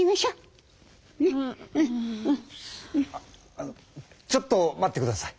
ああのちょっと待ってください！